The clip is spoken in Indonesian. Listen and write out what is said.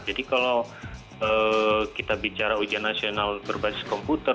jadi kalau kita bicara ujian nasional berbasis komputer